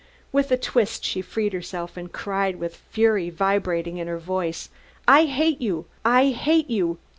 With a twist she freed herself and cried with fury vibrating in her voice, "I hate you I hate you!